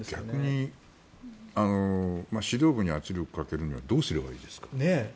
逆に指導部に圧力をかけるにはどうすればいいですか？